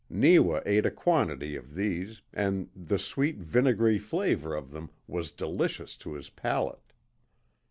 Neewa ate a quantity of these, and the sweet, vinegary flavour of them was delicious to his palate.